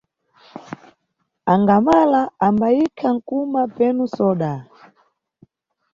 Angamala ambayikha nkhuma penu soda.